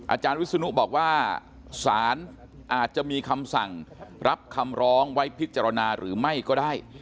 อาจารย์วิศนุบอกว่าศาลอาจจะมีคำสั่งรับคำร้องไว้พิจารณาหรือไม่ก็ได้